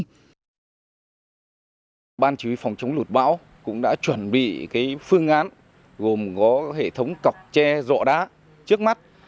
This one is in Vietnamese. nguyên nhân ban đầu được ban chỉ huy phòng chống lụt bão cũng đã chuẩn bị phương án gồm có hệ thống cọc che dọ đá trước mắt